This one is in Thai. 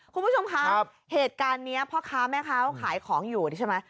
คุณผู้ชมคะเหตุการณ์นี้พ่อค้าแม่ค้าเขาขายของอยู่ใช่ไหม